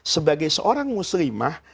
sebagai seorang muslimah